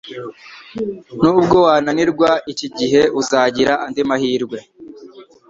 Nubwo wananirwa iki gihe uzagira andi mahirwe